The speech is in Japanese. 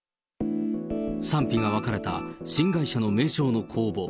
賛否が分かれたしん会社の名称の公募。